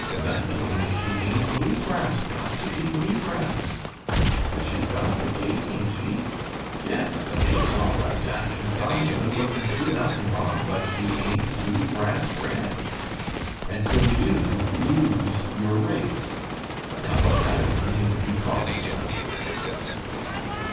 'Nothin', only she ain't Blue Grass. Got to be Blue Grass.' 'But she's got the gait, ain't she?' 'Yes, the gait's all right, action fine, good looking, too, nothing wrong, but she ain't Blue Grass bred.' And so you lose your race. Now what kind of a name would you call yourself?"